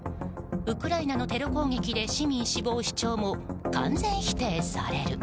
ウクライナのテロ攻撃で市民死亡主張も完全否定される。